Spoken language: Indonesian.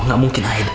nggak mungkin aida